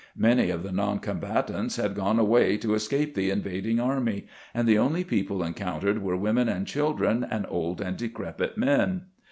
Many of the non combatants had gone away to escape the invading army, and the only people encountered were women and children and old and decrepit men.